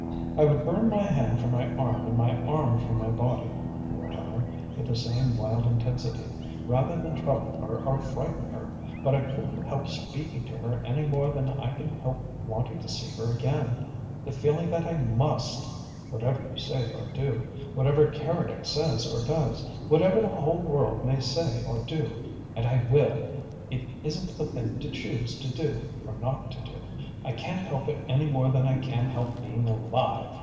"I would burn my hand from my arm and my arm from my body," he went on, with the same wild intensity, "rather than trouble her or frighten her, but I couldn't help speaking to her any more than I can help wanting to see her again the feeling that I MUST whatever you say or do, whatever Keredec says or does, whatever the whole world may say or do. And I will! It isn't a thing to choose to do, or not to do. I can't help it any more than I can help being alive!"